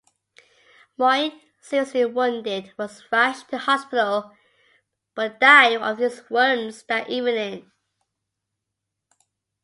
Moyne, seriously wounded, was rushed to hospital but died of his wounds that evening.